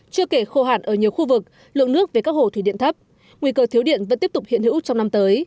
chưa kể khô hạn ở nhiều khu vực lượng nước về các hồ thủy điện thấp nguy cơ thiếu điện vẫn tiếp tục hiện hữu trong năm tới